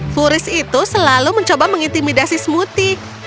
furis itu selalu mencoba mengintimidasi smoothie